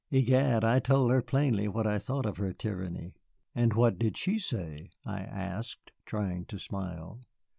Egad, I told her plainly what I thought of her tyranny." "And what did she say?" I asked, trying to smile.